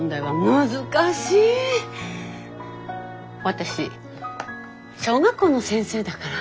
私小学校の先生だから。